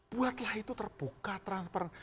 buatlah itu terbuka transparan